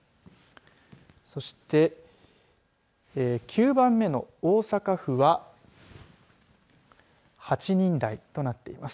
そして、９番目の大阪府は８人台となっています。